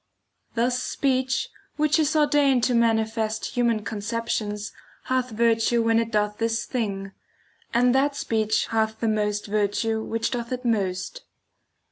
Thus speech, which is ordained to manifest human conceptions hath virtue when it doth this thing ; and that speech hath the most virtue which doth it most.